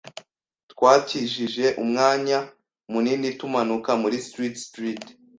Twakijije umwanya munini tumanuka muri Street Street .